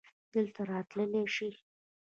دلته راتللی شې؟